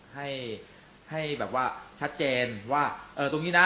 ให้ให้แบบว่าชัดเจนว่าเออตรงนี้นะ